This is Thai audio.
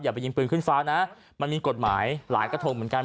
ไปยิงปืนขึ้นฟ้านะมันมีกฎหมายหลายกระทงเหมือนกัน